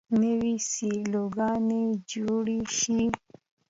نوې سیلوګانې جوړې شي.